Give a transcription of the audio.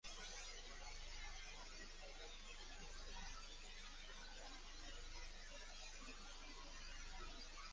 It was produced by Asaf Amir and Guy Lavi of Norma Production Company.